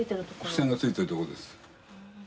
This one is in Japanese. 付箋が付いてるとこです。